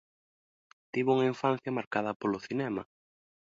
Tivo unha infancia marcada polo cinema.